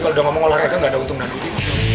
kalau sudah ngomong olahraga tidak ada untung dan gugi